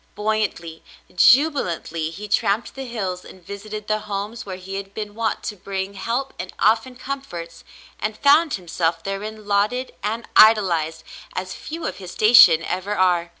Buoyantly, jubilantly, he tramped the hills and visited the homes where he had been wont to bring help and often comforts, and found himself therein lauded and idolized as few of his station ever are.